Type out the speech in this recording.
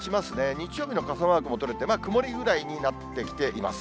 日曜日の傘マークも取れて、曇りぐらいになってきています。